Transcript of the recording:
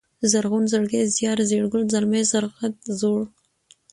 زرغون ، زړگی ، زيار ، زېړگل ، زلمی ، زغرد ، زړور